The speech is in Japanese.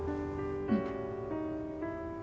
うん。